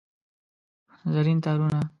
زرین تارونه یې